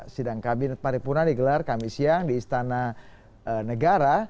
sidang kabinet paripurna digelar kami siang di istana negara